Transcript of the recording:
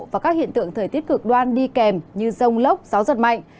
và các hiện tượng thời tiết cực đoan đi kèm như rông lốc gió giật mạnh